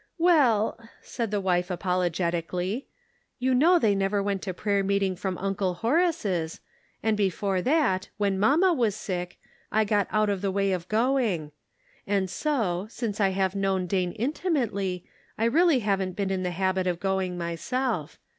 " Well," said the wife, apologetically, " You know they never went to prayer meeting from Uncle Horace's ; and before that, when mamma was sick, I got out of the way of going ; and so, since I have known Dane intimately, I really haven't been in the habit of going myself.